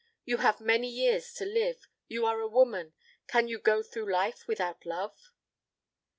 You have many years to live. You are a woman. Can you go through life without love?"